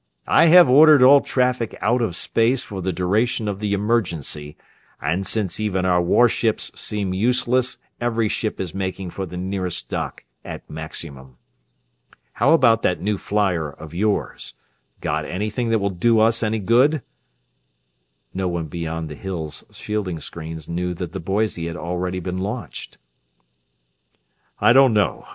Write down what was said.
I have ordered all traffic out of space for the duration of the emergency, and since even our warships seem useless, every ship is making for the nearest dock at maximum. How about that new flyer of yours got anything that will do us any good?" No one beyond the "Hill's" shielding screens knew that the Boise had already been launched. "I don't know.